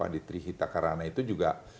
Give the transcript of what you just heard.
di trihita karana itu juga